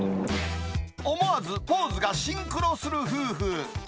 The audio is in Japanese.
思わずポーズがシンクロする夫婦。